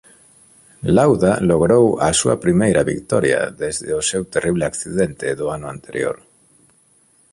Lauda logrou a súa primeira vitoria desde o seu terrible accidente do ano anterior.